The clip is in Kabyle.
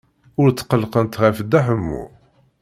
Ur tqellqent ɣef Dda Ḥemmu.